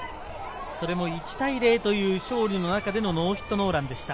それも１対０という勝利の中でノーヒットノーランでした。